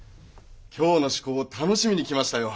今日の趣向を楽しみに来ましたよ。